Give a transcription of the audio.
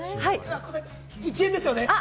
１円ですよね？